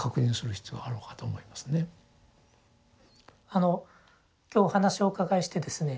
あの今日お話をお伺いしてですね